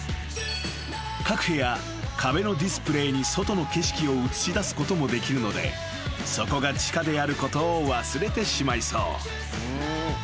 ［各部屋壁のディスプレーに外の景色を映し出すこともできるのでそこが地下であることを忘れてしまいそう］